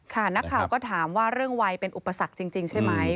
นักข่าวก็ถามว่าเรื่องวัยเป็นอุปสรรคจริงใช่ไหม